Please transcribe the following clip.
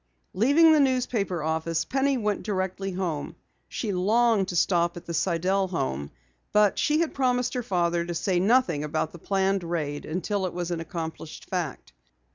Leaving the newspaper office, Penny went directly home. She longed to stop at the Sidell home, but she had promised her father to say nothing about the planned raid until it was an accomplished fact.